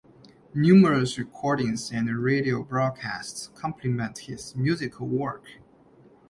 Numerous recordings and radio broadcasts complement his musical work.